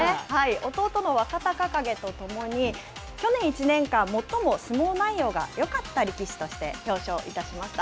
弟の若隆景と共に去年１年間、最も相撲内容がよかった力士として表彰いたしました。